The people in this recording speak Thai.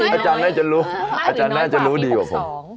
อาจารย์น่าจะรู้ดีกว่าผม